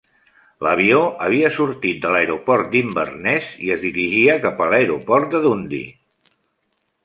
L'avió havia sortit de l'aeroport d'Inverness i es dirigia cap a l'aeroport de Dundee.